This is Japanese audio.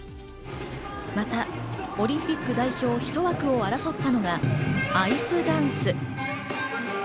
またオリンピック代表１枠を争っているのがアイスダンス。